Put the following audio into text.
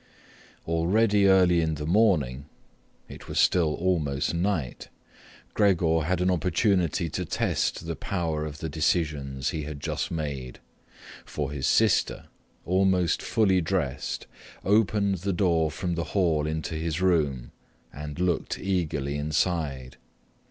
Already early in the morning—it was still almost night—Gregor had an opportunity to test the power of the decisions he had just made, for his sister, almost fully dressed, opened the door from the hall into his room and looked eagerly inside.